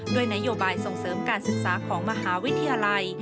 ด้วยนโยบายส่งเสริมการศึกษาของมหาวิทยาลัย